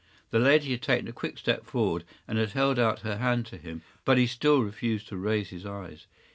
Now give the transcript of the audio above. The lady had taken a quick step forward and had held out her hand to him, but he still refused to raise his eyes.